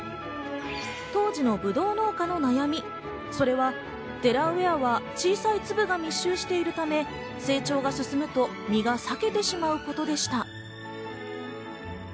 当時のぶどう農家の悩み、それはデラウェアは小さい粒が密集しているため、成長が進むと実が裂けてしまうことでした。